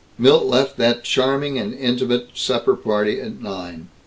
Milt left that charming and intimate supper party at nine.